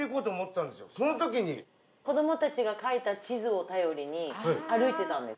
子どもたちが描いた地図を頼りに歩いてたんです。